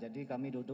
tengah lima sore itu